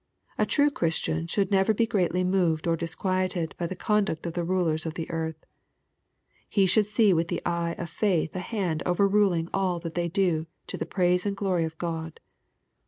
A true Christian should never be greatly moved or disquieted by the conduct of the rulers of the earth. He should see with the eye of faith a hand overruling all that they do to the praise and glory of God.